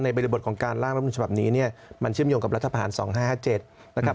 บริบทของการล่างรัฐมนุนฉบับนี้เนี่ยมันเชื่อมโยงกับรัฐภาน๒๕๕๗นะครับ